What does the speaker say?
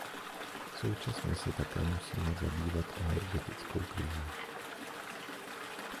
Současně se také musíme zabývat energetickou krizí.